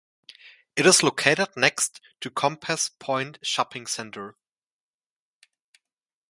It is located next to Compass Point Shopping Centre.